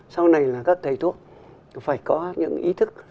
sau này là các thầy thuốc phải có những ý thức